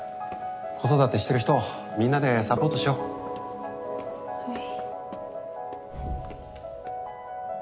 子育てしてる人をみんなでサポートしようはい。